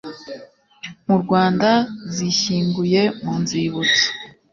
mu rwanda zishyinguye mu nzibutso